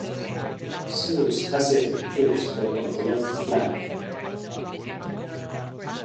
Cyrus' Asiatic troops were on the left flank.